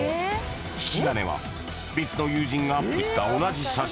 引き金は別の友人がアップした同じ写真。